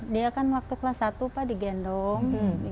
dia kan waktu kelas satu pak di gendong